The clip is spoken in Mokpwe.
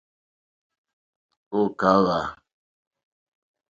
Ò kàwà.